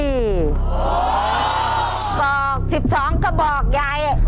กล่อข้าวหลามใส่กระบอกจำนวน๑๒กระบอกภายในเวลา๓นาที